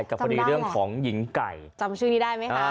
กับคดีเรื่องของหญิงไก่จำชื่อนี้ได้ไหมคะ